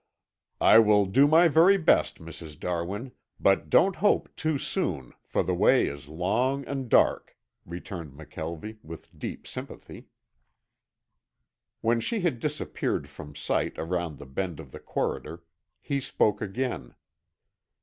"I will do my very best, Mrs. Darwin, but don't hope too soon, for the way is long and dark," returned McKelvie with deep sympathy. When she had disappeared from sight around the bend of the corridor, he spoke again.